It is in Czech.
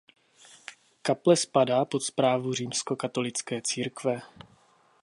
Kaple spadá pod správu římskokatolické církve.